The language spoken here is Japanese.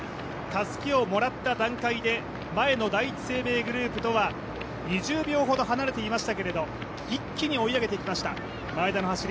たすきをもらった段階で前の第一生命グループとは２０秒ほど離れていましたけれども、一気に追い上げてきました。